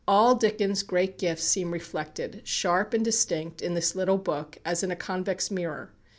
All Dickens' great gifts seem reflected, sharp and distinct, in this little book, as in a convex mirror.